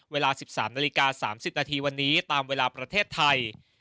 เวลา๑๓นาฬิกา๓๐นาทีวันนี้ตามเวลาประเทศไทย